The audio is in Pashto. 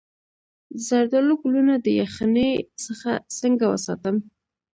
د زردالو ګلونه د یخنۍ څخه څنګه وساتم؟